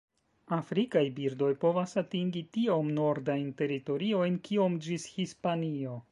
Afrikaj birdoj povas atingi tiom nordajn teritoriojn kiom ĝis Hispanio.